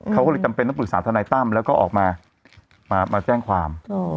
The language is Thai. เขาก็เลยจำเป็นต้องปรึกษาทนายตั้มแล้วก็ออกมามาแจ้งความ